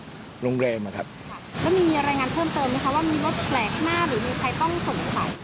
แล้วมีรายงานเพิ่มเติมไหมคะว่ามีรถแปลกมากหรือมีใครต้องสงสัย